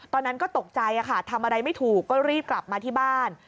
ตอนนั้นก็ตกใจค่ะทำอะไรไม่ถูกก็รีบกลับมาที่บ้าน